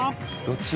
「どっち？」